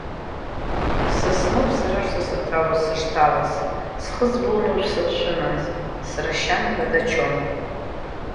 Ссасны ауп сара ашҭа санҭалоз сышҭалаз, схы збон уажә саԥшәыман, срашьан Бадачон.